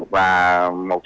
và một số